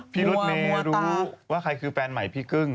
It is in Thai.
พี่รถเมย์รู้ว่าใครคือแฟนใหม่พี่กึ้ง